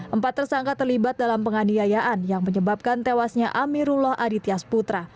empat tersangka terlibat dalam penganiayaan yang menyebabkan tewasnya amirullah aditya sputra